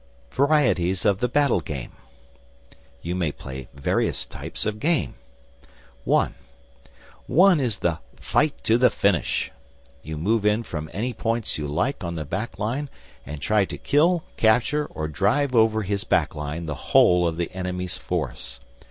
VARIETIES OF THE BATTLE GAME You may play various types of game. (1) One is the Fight to the Finish. You move in from any points you like on the back line and try to kill, capture, or drive over his back line the whole of the enemy's force.